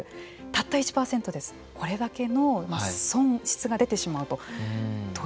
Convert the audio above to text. たった１％でこれだけ損失が出てしまうと。